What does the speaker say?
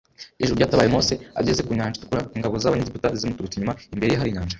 Ijuru ryatabaye Mose ageze ku Nyanja itukura ingabo z’ Abanyegiputa zimuturutse inyuma imbere ye hari inyanja